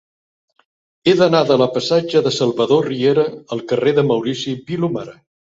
He d'anar de la passatge de Salvador Riera al carrer de Maurici Vilomara.